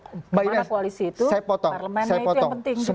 kemana koalisi itu parlemennya itu yang penting